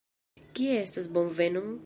Kie estas bonvenon?